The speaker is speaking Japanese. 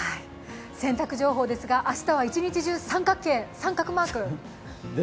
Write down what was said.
洗濯情報ですが明日は一日中三角マーク。